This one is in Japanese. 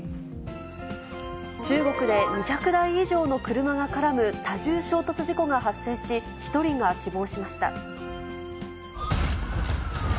中国で２００台以上の車が絡む多重衝突事故が発生し、１人が死亡しました。